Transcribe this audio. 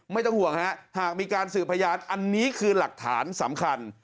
ไม่ต้องห่วงฮะหากมีการสืบพยานอันนี้คือหลักฐานสำคัญ